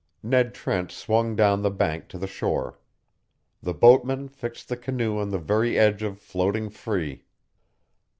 Ned Trent swung down the bank to the shore. The boatmen fixed the canoe on the very edge of floating free.